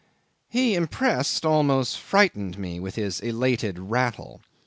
'He impressed, almost frightened, me with his elated rattle.